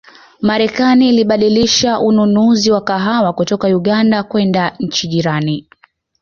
Marekani ilibadilisha ununuzi wa kahawa kutoka Uganda kwenda nchi jirani